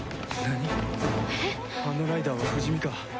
あのライダーは不死身か。